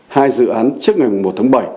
hai dự án trước ngày một tháng bảy